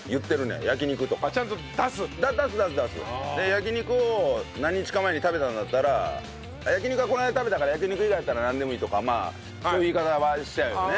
焼き肉を何日か前に食べたんだったら焼き肉はこの間食べたから焼き肉以外だったらなんでもいいとかそういう言い方はしちゃうよね。